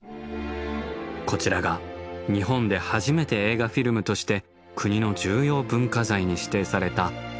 こちらが日本で初めて映画フィルムとして国の重要文化財に指定された「紅葉狩」。